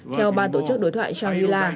theo ba tổ chức đối thoại chonila